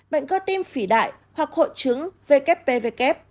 bệnh có tim phỉ đại hoặc hội chứng wpw